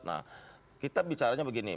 nah kita bicaranya begini